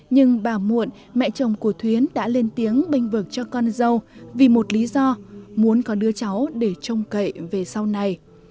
nhưng bà muộn mẹ chồng của thuyến đã lên tiếng binh vực cho con dâu vì một lý do muốn có đứa cháu để trông cậy về sau này